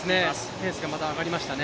ペースがまた上がりましたね。